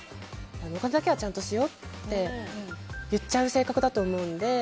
お金だけはちゃんとしようって言っちゃう性格だと思うんで。